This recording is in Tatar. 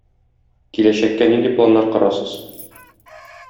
Киләчәккә нинди планнар корасыз?